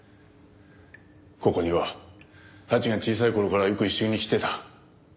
ここには早智が小さい頃からよく一緒に来ていた。